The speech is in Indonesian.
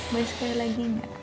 boleh sekali lagi nek